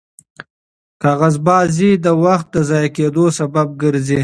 کاغذبازي د وخت د ضایع کېدو سبب ګرځي.